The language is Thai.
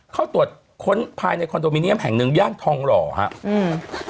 เข้าตรวจค้นภายในคอนโดมิเนียมแห่งหนึ่งย่านทองหล่อครับอืม